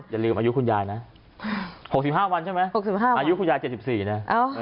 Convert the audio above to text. อย่าลืมอายุคุณยายนะ๖๕วันใช่ไหม๖๕อายุคุณยาย๗๔นะ